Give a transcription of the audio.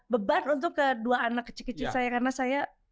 beban untuk kedua anak kecil kecil saya karena saya